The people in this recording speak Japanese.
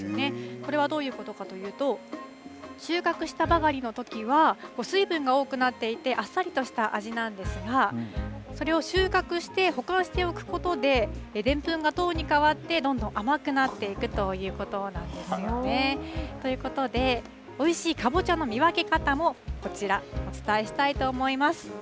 これはどういうことかというと、収穫したばかりのときは、水分が多くなっていて、あっさりとした味なんですが、それを収穫して保管しておくことで、でんぷんが糖に変わって、どんどん甘くなっていくということなんですよね。ということで、おいしいカボチャの見分け方もこちら、お伝えしたいと思います。